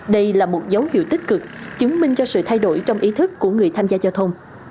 đây là một dấu hiệu tích cực chứng minh cho sự thay đổi trong ý thức của người tham gia giao thông